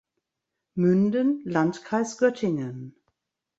Münden (Landkreis Göttingen).